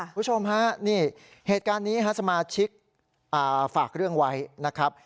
คุณผู้ชมฮะนี่เหตุการณ์นี้สมาชิกฝากเรื่องไว้นะครับ